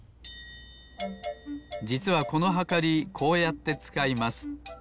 じつはこのはかりこうやってつかいます。